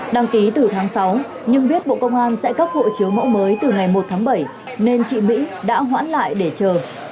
đăng ký từ tháng sáu nhưng biết bộ công an sẽ cấp hộ chiếu mẫu mới từ ngày một tháng bảy nên chị mỹ đã hoãn lại để chờ